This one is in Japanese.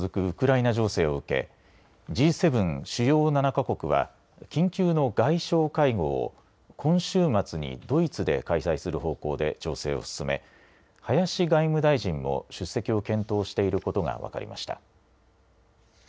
ウクライナ情勢を受け、Ｇ７・主要７か国は、緊急の外相会合を、今週末にドイツで開催する方向で調整を進め、林外務大臣も出席を検討していることが分かりました。